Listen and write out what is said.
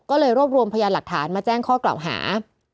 ก็เลยรวบรวมพยานหลักฐานมาแจ้งข้อกล่าวหา